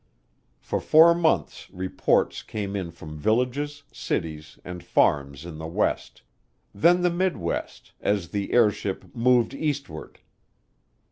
For four months reports came in from villages, cities, and farms in the West; then the Midwest, as the airship "moved eastward."